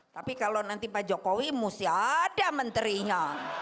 tapi kalau nanti pak jokowi mesti ada menterinya